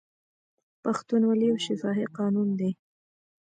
پښتونولي یو شفاهي قانون دی.